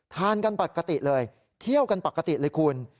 ทานกันปกติเลยเที่ยวกันปกติเลยคุณ